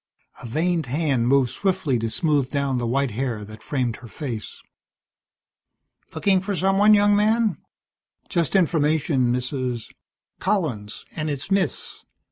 A veined hand moved swiftly to smooth down the white hair that framed her face. "Looking for someone, young man?" "Just information, Mrs. " "Collins, and it's Miss.